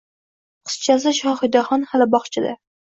Qizchasi Shohidaxon hali bog`chada